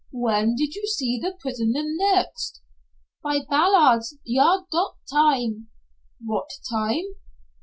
"When did you see the prisoner next?" "By Ballards' yard dot time." "What time?"